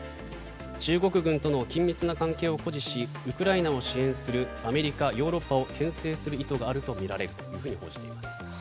中国軍との緊密な関係を誇示しウクライナを支援するアメリカ、ヨーロッパをけん制する意図があるとみられると報じています。